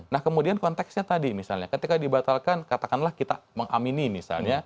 nah kemudian konteksnya tadi misalnya ketika dibatalkan katakanlah kita mengamini misalnya